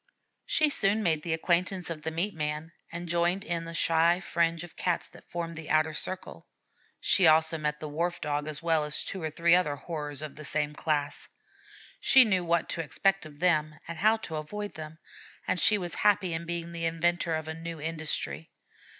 She soon made the acquaintance of the meat man, and joined in the shy fringe of Cats that formed the outer circle. She also met the Wharf Dog as well as two or three other horrors of the same class. She knew what to expect of them and how to avoid them; and she was happy in being the inventor of a new industry.